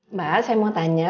mbak saya mau tanya